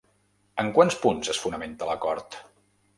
En quants punts es fonamenta l'acord?